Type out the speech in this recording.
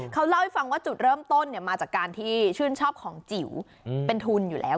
เขาเล่าให้ฟังว่าจุดเริ่มต้นมาจากการที่ชื่นชอบของจิ๋วเป็นทุนอยู่แล้ว